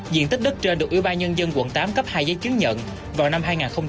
diện tích đất trên được ủy ban nhân dân quận tám cấp hai giấy chứng nhận vào năm hai nghìn một mươi